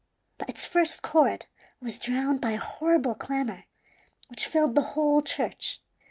But its first chord was drowned by a horrible clamor which filled the whole church.